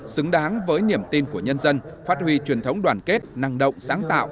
xứng đáng với niềm tin của nhân dân phát huy truyền thống đoàn kết năng động sáng tạo